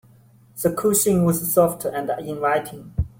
The cushion was soft and inviting.